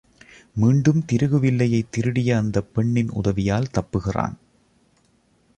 மீண்டும் திருகு வில்லையைத் திருடிய அந்தப் பெண்ணின் உதவியால் தப்புகிறான்.